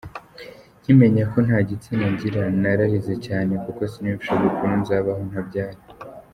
Nkimenya ko nta gitsina ngira nararize cyane, kuko siniyumvishaga ukuntu nzabaho ntabyara.